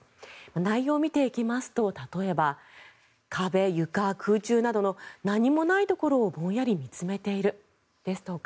内容を見ていきますと例えば壁、床、空中などの何もないところをぼんやり見つめているですとか